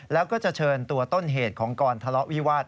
แล้วก็จะเชิญตัวต้นเหตุของกรทะเลาะวิวาส